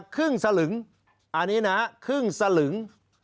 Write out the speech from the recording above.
ครึ่งสลึงอันนี้นะครึ่งสลึง